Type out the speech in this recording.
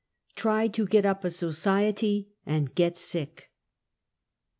TRY TO GET UP A SOCIETY AND GET SICK.